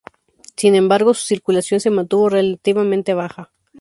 Sin embargo, su circulación se mantuvo relativamente baja.